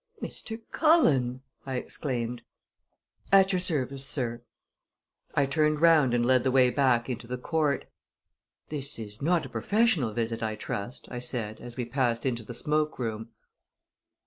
"Mr. Cullen!" I exclaimed. "At your service, sir." I turned round and led the way back into the court. "This is not a professional visit, I trust?" I said as we passed into the smoke room.